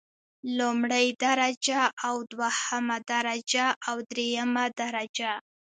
لومړۍ درجه او دوهمه درجه او دریمه درجه.